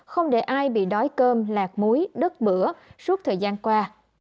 không để ai bị đói cơm lạc muối đất bữa suốt thời gian qua